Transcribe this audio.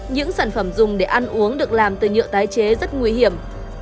những sản phẩm dùng để ăn uống được làm từ nhựa tái chế rất nguy hiểm